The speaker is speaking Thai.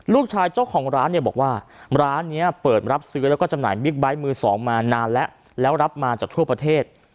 เจ้าของร้านเนี่ยบอกว่าร้านนี้เปิดรับซื้อแล้วก็จำหน่าบิ๊กไบท์มือสองมานานแล้วแล้วรับมาจากทั่วประเทศ